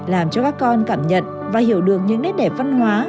làm cho các con cảm nhận và hiểu được những nét đẹp văn hóa